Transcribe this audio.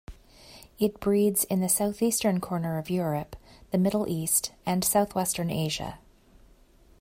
It breeds in the southeastern corner of Europe, the Middle East and southwestern Asia.